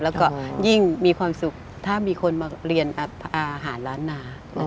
แล้วก็ยิ่งมีความสุขถ้ามีคนมาเรียนกับอาหารล้านนา